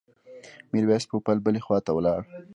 میرویس پوپل بلې خواته ولاړ.